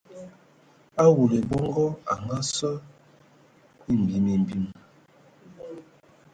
Awulu ai bɔngɔ anga sɔ mimbean mimbean.